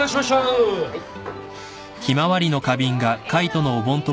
はい。